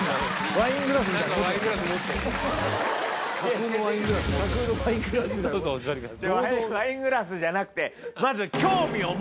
ワイングラスじゃなくてまず。